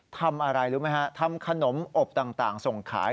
ทำอะไรรู้ไหมฮะทำขนมอบต่างส่งขาย